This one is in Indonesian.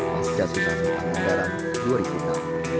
masa susahnya pangandaran dua ribu enam